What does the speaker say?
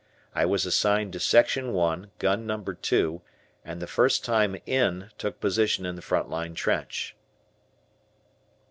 I was assigned to Section I, Gun No. 2, and the first time "in" took position in the front line trench.